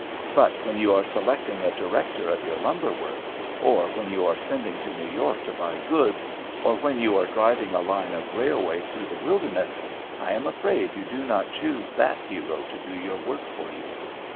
But when you are selecting a director of your lumber works, or when you are sending to New York to buy goods, or when you are driving a line of railway through the wilderness, I am afraid you do not choose that hero to do your work for you.